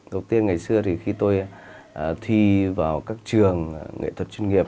đầu tiên ngày xưa thì khi tôi thi vào các trường nghệ thuật chuyên nghiệp